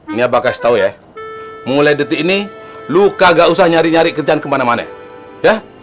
ini apa kasih tau ya mulai detik ini lu kagak usah nyari nyari kerjaan kemana mana ya